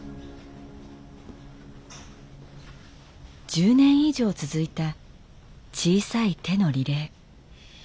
１０年以上続いた小さい手のリレー。